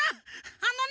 あのね